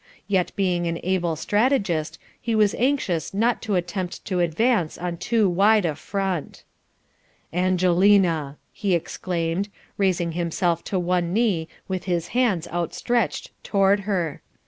Yet being an able strategist, he was anxious not to attempt to advance on too wide a front. "Angelina!" he exclaimed, raising himself to one knee with his hands outstretched toward her.